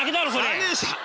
残念でした。